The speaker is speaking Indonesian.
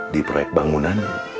di proyek bangunan